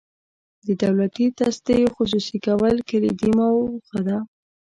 د دولتي تصدیو خصوصي کول کلیدي موخه ده.